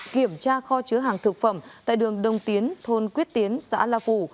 kiểm tra kho chứa hàng thực phẩm tại đường đông tiến thôn quyết tiến xã la phù